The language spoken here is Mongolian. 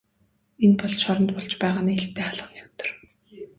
Энэ бол шоронд болж байгаа нээлттэй хаалганы өдөр.